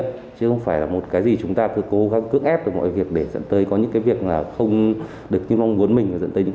chứ không phải là một cái gì chúng ta cứ cố gắng cứ ép từ mọi việc để dẫn tới có những cái việc mà không được như mong muốn mình